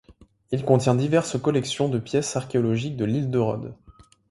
Il contient diverses collections de pièces archéologiques de l'île de Rhodes.